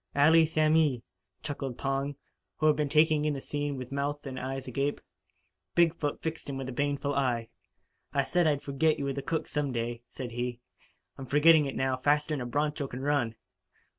"Allee samee," chuckled Pong, who had been taking in the scene with mouth and eyes agape. Big foot fixed him with a baneful eye. "I said I'd forget you were the cook some day," said he. "I'm forgetting it, now, faster'n a broncho can run!"